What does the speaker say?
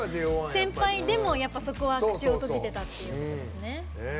先輩でも、そこは口を閉じてたということですね。